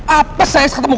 apa saya ketemu kamu tau gak